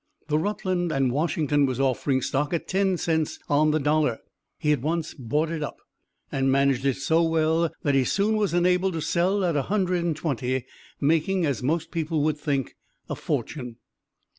The Rutland & Washington was offering stock at ten cents on the dollar; he at once bought it up and managed it so well that he soon was enabled to sell at 120, making, as most people would think, a fortune.